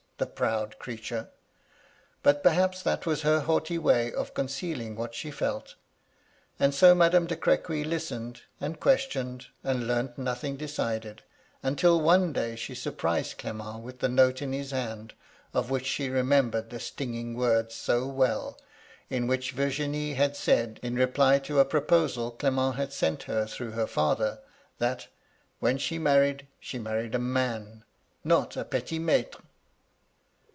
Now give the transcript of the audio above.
The proud creature 1 But perhaps that was her haughty way of concealing what she felt. And so Madame de Crequy listened, and questicmed, and learnt nothing decided, until one day she surprised Clement with the note in his hand, of which ^he remembered the slinging words so well, in which Vir ginie had said, in reply to a proposal Clement had sent her through her father, that * When she married she married a man, not a petit maitre.'